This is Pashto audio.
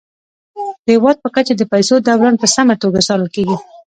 د هیواد په کچه د پيسو دوران په سمه توګه څارل کیږي.